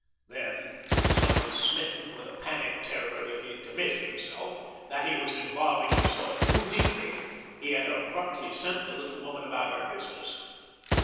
Then, suddenly smitten with a panic terror that he had committed himself, that he was involving himself too deeply, he had abruptly sent the little woman about her business.